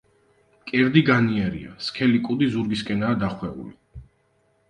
მკერდი განიერია, სქელი კუდი ზურგისკენაა დახვეული.